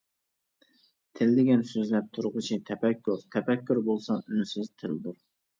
تىل دېگەن سۆزلەپ تۇرغۇچى تەپەككۇر، تەپەككۇر بولسا ئۈنسىز تىلدۇر.